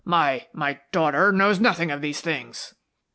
"My my daughter knows nothing of these things."